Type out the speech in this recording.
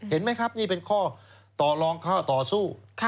เห็นไหมครับนี่เป็นข้อต่อรองข้อต่อสู้